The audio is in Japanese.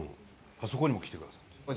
あそこにも来てくださった。